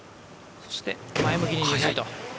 そして前向きに入水と。